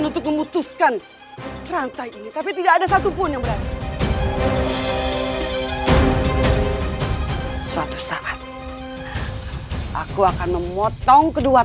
untuk memilih siapapun yang mereka pilih